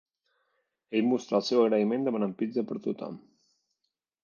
Ell mostrà el seu agraïment demanant pizza per a tothom.